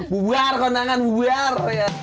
bu buar kondangan bu buar